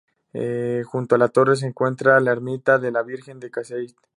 Junto a la torre se encuentra la ermita de la Virgen de Castellet.